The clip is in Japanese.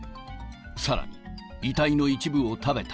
さらに、遺体の一部を食べた。